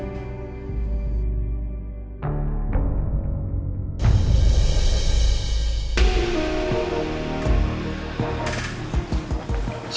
kalau ada saya tahu